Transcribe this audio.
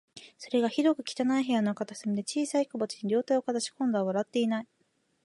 それが、ひどく汚い部屋の片隅で、小さい火鉢に両手をかざし、今度は笑っていない